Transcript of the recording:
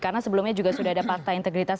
karena sebelumnya juga sudah ada partai integritas